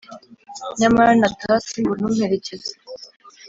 nyamara nataha simbone umperekeza.